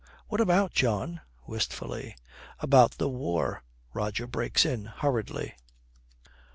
'What about, John?' wistfully. 'About the war,' Roger breaks in hurriedly.